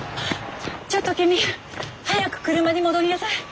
ちょっと君早く車に戻りなさい。